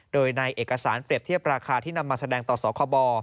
โดยในเอกสารเปรียบเทียบราคาที่นำมาแสดงต่อสคบ